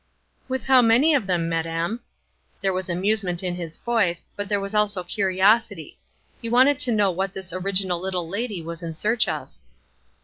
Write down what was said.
"With how many of them, madam?" There was amusement in his voice, but there was also curiosity, he wanted to know what this original little lady was in search of.